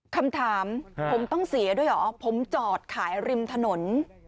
คำถามผมต้องเสียด้วยเหรอผมจอดขายริมถนน